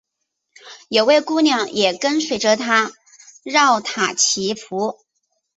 有位姑娘也跟随着他饶塔祈福。